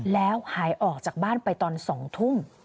แล้วหายออกจากบ้านไปตอน๒ทุ่ม